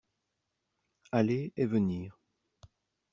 Aller et venir.